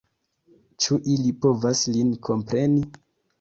Ĉu ili povas lin kompreni?